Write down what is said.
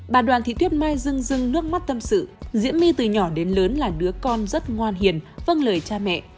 bà đoàn thị thuyết mai rưng rưng nước mắt tâm sự diễm my từ nhỏ đến lớn là đứa con rất ngoan hiền vâng lời cha mẹ